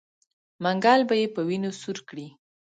منګل به یې په وینو سور کړي.